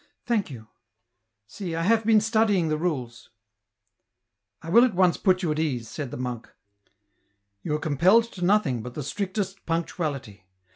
" Thank you ... see, I have been studying the rules." " I will at once put you at ease," said the monk. You are compelled to nothing but the strictest punctuality.